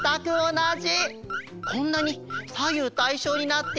こんなにさゆうたいしょうになっているね